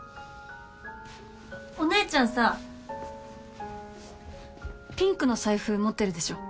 お姉ちゃんさピンクの財布持ってるでしょ？